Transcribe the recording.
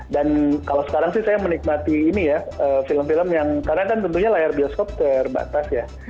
dan kalau sekarang sih saya menikmati ini ya film film yang karena kan tentunya layar bioskop terbatas ya